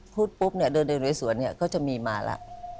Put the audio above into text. พูดปุ๊บเนี่ยเดินเร่สวนเนี่ยก็จะมีมาแล้ว